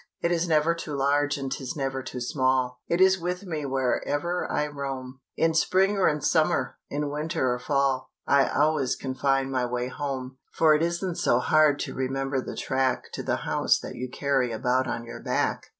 It is never too large and 'tis never too small, It is with me wherever I roam. In spring or in summer, in winter or fall, I always can find my way home. For it isn't so hard to remember the track To the house that you carry about on your back.